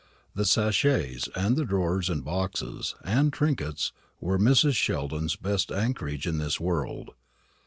The sachets, and the drawers, and boxes, and trinkets were Mrs. Sheldon's best anchorage in this world.